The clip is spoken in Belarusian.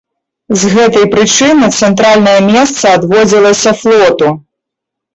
З гэтай прычыны цэнтральнае месца адводзілася флоту.